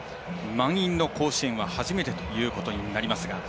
満員の甲子園は初めてということになりますが。